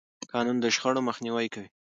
قانون د شخړو مخنیوی کوي.